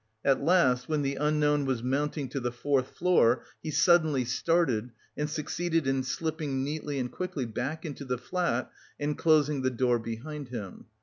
At last when the unknown was mounting to the fourth floor, he suddenly started, and succeeded in slipping neatly and quickly back into the flat and closing the door behind him.